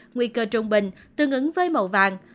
nguy cơ trung bình tương ứng với màu vàng